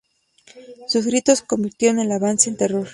Sus gritos convirtieron el avance en terror.